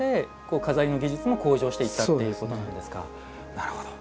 なるほど。